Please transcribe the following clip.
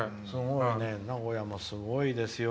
名古屋もすごいですよ。